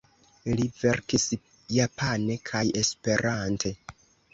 Li verkis japane kaj Esperante.